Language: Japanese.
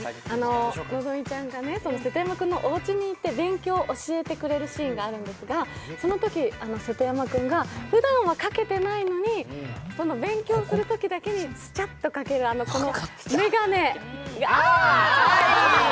希美ちゃんが瀬戸山君のおうちに行って勉強を教えてくれるシーンがあったんですが、そのとき瀬戸山君が、ふだんはかけてないのに勉強するときだけにチャッとかけるこの眼鏡がいい。